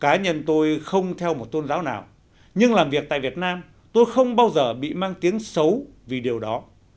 cá nhân tôi không theo một tôn giáo nào nhưng làm việc tại việt nam tôi không bao giờ bị mang tiếng xấu vì điều đó